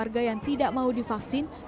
pertama orang orang yang tidak mau divaksin